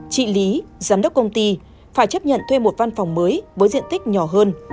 chị lý giám đốc công ty phải chấp nhận thuê một văn phòng mới với diện tích nhỏ hơn